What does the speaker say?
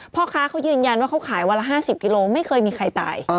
พ่อค้าเขายืนยันว่าเขาขายวันละ๕๐กิโลไม่เคยมีใครตาย